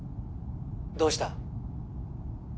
☎どうした？